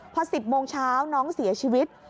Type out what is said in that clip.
พอ๑๐โมงเช้าน้องเสียชีวิต